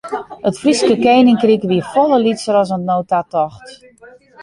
It Fryske keninkryk wie folle lytser as oant no ta tocht.